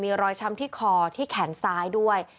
มีรอยช้ำที่คอที่แขนซ้ายด้วย